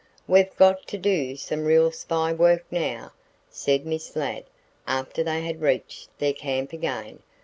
"We've got to do some real spy work now," said Miss Ladd after they had reached their camp again.